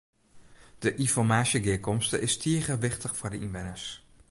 De ynformaasjegearkomste is tige wichtich foar de ynwenners.